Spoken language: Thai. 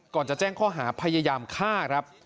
ก่อนจะแจ้งข้อหาพยายามฆ่าครับ